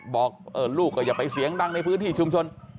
บอกลูกก็อย่าไปเสียงดังในพื้นที่ชุมชน